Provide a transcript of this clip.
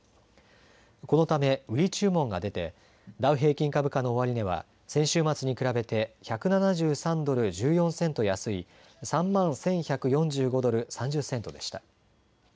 このため売り注文が出てダウ平均株価の終値は先週末に比べて１７３ドル１４セント安い３万１１４５ドル３０セントでした。